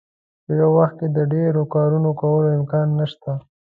په یو وخت کې د ډیرو کارونو کولو امکان نشته.